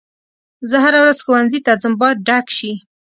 زه هره ورځ ښوونځي ته ځم باید ډک شي.